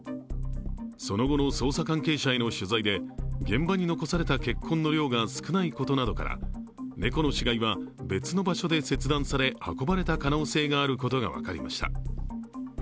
その後の捜査関係者への取材で、現場に残された血痕の量が少ないことから、猫の死骸は別の場所で切断され、運ばれた可能性があることが分かりました。